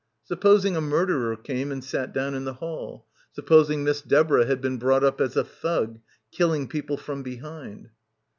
Supposing a murderer came and sat down in the hall? Sup posing Miss Deborah had been brought up as a Thug — killing people from behind?